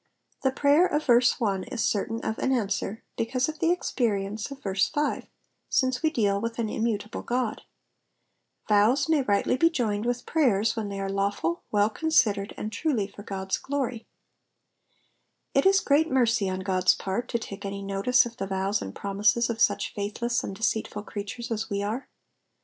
The prayer of verse 1 is certain of an answer because of the experience of verse 6, since we deal with an immutable God. ''Vbirf^'may rightly be joined with Digitized by VjOOQIC PSALM THE SIXTY FIRST. 107 prayers when they are lawful, well considered, and truly for Ood*8 ^lory. It is irreat mercy on Ood's part to take any notice of the vows and promises of such fiiithless and deceitful creatures as we are.